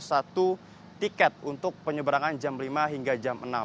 yaitu rp tiga ratus delapan puluh satu tiket untuk penyeberangan jam lima hingga jam enam